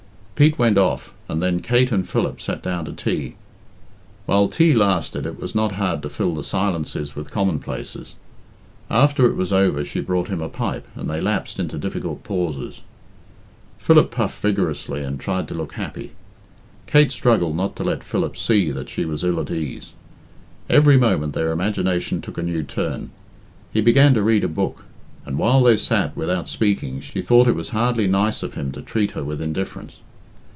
Pete went off, and then Kate and Philip sat down to tea. While tea lasted it was not hard to fill the silences with commonplaces. After it was over she brought him a pipe, and they lapsed into difficult pauses. Philip puffed vigorously and tried to look happy. Kate struggled not to let Philip see that she was ill at ease. Every moment their imagination took a new turn. He began to read a book, and while they sat without speaking she thought it was hardly nice of him to treat her with indifference.